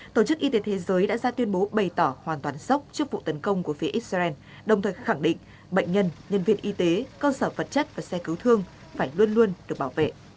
tổ chức y tế thế giới đã ra tuyên bố bày tỏ hoàn toàn sốc trước vụ tấn công của phía israel đồng thời khẳng định bệnh nhân nhân viên y tế cơ sở vật chất và xe cứu thương phải luôn luôn được bảo vệ